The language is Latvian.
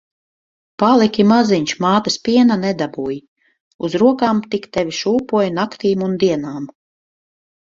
Paliki maziņš, mātes piena nedabūji. Uz rokām tik tevi šūpoju naktīm un dienām.